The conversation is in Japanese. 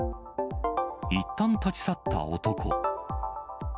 いったん立ち去った男。